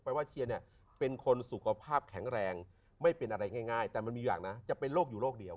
ว่าเชียร์เนี่ยเป็นคนสุขภาพแข็งแรงไม่เป็นอะไรง่ายแต่มันมีอย่างนะจะเป็นโรคอยู่โรคเดียว